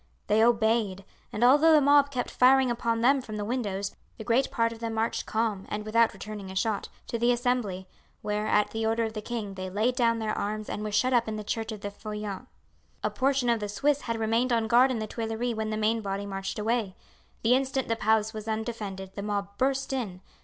They obeyed, and although the mob kept firing upon them from the windows, the great part of them marched calm, and without returning a shot, to the Assembly, where, at the order of the king, they laid down their arms and were shut up in the church of the Feuillants. "A portion of the Swiss had remained on guard in the Tuileries when the main body marched away. The instant the palace was undefended the mob burst in.